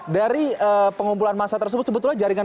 dari pengumpulan massa tersebut sebetulnya jaringan